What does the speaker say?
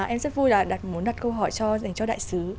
em rất vui là muốn đặt câu hỏi dành cho đại sứ